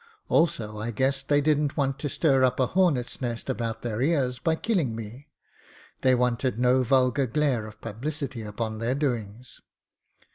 Also I guessed they didn't want to stir up a hornet's nest about their ears by killing me — ^they wanted no vulgar glare of publicity upon their doings.